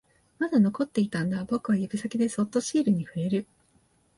まだ残っていたんだ、僕は指先でそっとシールに触れる